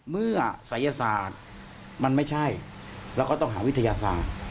ศัยศาสตร์มันไม่ใช่เราก็ต้องหาวิทยาศาสตร์